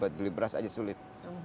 buat beli beras aja sulit